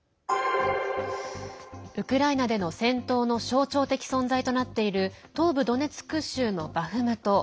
ウクライナでの戦闘の象徴的存在となっている東部ドネツク州のバフムト。